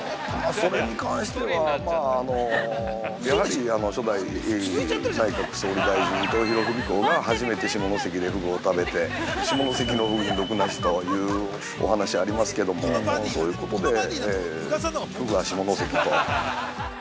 ◆それに関してはやはり、初代内閣総理大臣伊藤博文公が初めて下関でふぐを食べて下関のふぐに毒なしというお話ありますけどもそういうことで、ふぐは下関と。